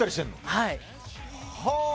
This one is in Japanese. はい。